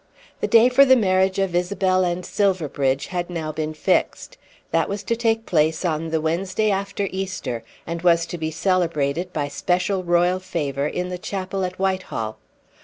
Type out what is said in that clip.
The day for the marriage of Isabel and Silverbridge had been now fixed. That was to take place on the Wednesday after Easter, and was to be celebrated by special royal favour in the chapel at Whitehall.